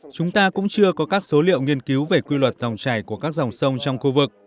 chúng ta cũng chưa có các số liệu nghiên cứu về quy luật dòng chảy của các dòng sông trong khu vực